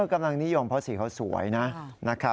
กำลังนิยมเพราะสีเขาสวยนะครับ